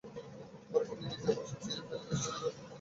পরে তিনি নিজের ভিসা ছিঁড়ে ফেলে দেশটিতে রাজনৈতিক আশ্রয় প্রার্থনা করেন।